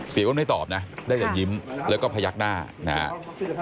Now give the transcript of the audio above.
อ้นไม่ตอบนะได้แต่ยิ้มแล้วก็พยักหน้านะครับ